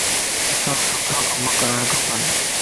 اسانک سٺا ڪم ڪرڻ کپن.